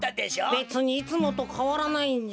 べつにいつもとかわらないんじゃ。